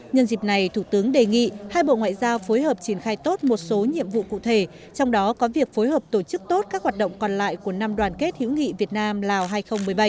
nhân dịp này thủ tướng đề nghị hai bộ ngoại giao phối hợp triển khai tốt một số nhiệm vụ cụ thể trong đó có việc phối hợp tổ chức tốt các hoạt động còn lại của năm đoàn kết hữu nghị việt nam lào hai nghìn một mươi bảy